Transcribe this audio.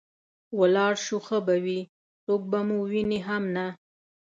ولاړ شو ښه به وي، څوک به مو ویني هم نه.